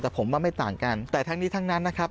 แต่ผมว่าไม่ต่างกันแต่ทั้งนี้ทั้งนั้นนะครับ